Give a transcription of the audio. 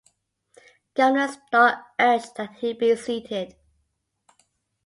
Governor Stark urged that he be seated.